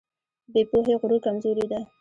بې پوهې غرور کمزوري ده.